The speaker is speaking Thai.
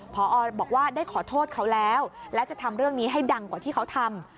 พอบอกว่าได้ขอโทษเขาแล้วและจะทำเรื่องนี้ให้ดังกว่าที่เขาทำ